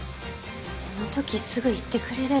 その時すぐ言ってくれれば。